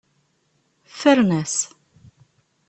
Ffren-as.